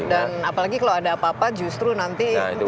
karena kalau kapal operasi dari sini terus dari surabaya dari sini terus